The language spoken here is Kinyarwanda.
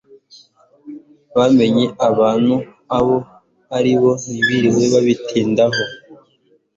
bamenya abo bantu abo aribo ntibiriwe babitindaho